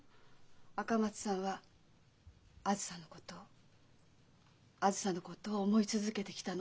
赤松さんはあづさのことをあづさのことを思い続けてきたの。